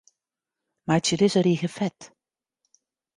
Meitsje dizze rige fet.